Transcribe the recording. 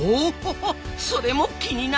それも気になる！